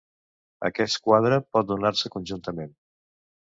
Aquest quadre pot donar-se conjuntament.